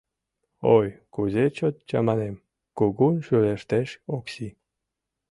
Ой, кузе чот чаманем, — кугун шӱлештеш Окси.